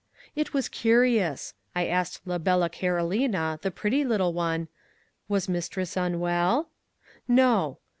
It was curious. I asked la bella Carolina, the pretty little one, Was mistress unwell?—No.